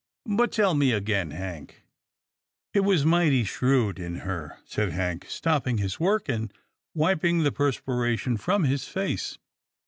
" But tell me again, Hank." It was mighty shrewd in her," said Hank, stopping his work, and wiping the perspiration from his face.